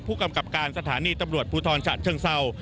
ผู้กำกับการสถานีตำรวจภูทรฉะเชิงเศร้า